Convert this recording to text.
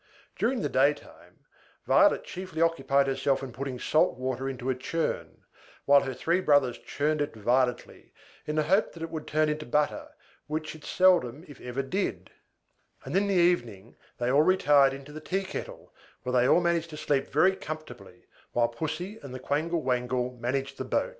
During the daytime, Violet chiefly occupied herself in putting salt water into a churn; while her three brothers churned it violently, in the hope that it would turn into butter, which it seldom if ever did; and in the evening they all retired into the tea kettle, where they all managed to sleep very comfortably, while Pussy and the Quangle Wangle managed the boat.